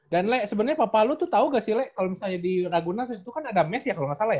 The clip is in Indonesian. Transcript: dan lea sebenarnya bapak lu tuh tau gak sih lea kalau misalnya di raguna itu kan ada mes ya kalau gak salah ya